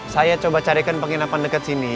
saya coba carikan penginapan dekat sini